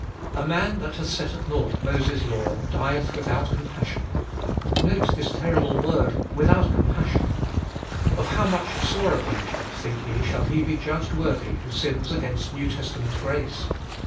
A man that hath set at nought Moses' law dieth without 408 tTbe ftoltest of Bll compassion — note this terrible word, without compassion: of how much sorer punishment, think ye, shall he be judged worthy, who sins against New Testament grace